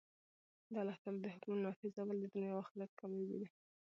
د الله تعالی د حکمونو نافذول د دؤنيا او آخرت کاميابي ده.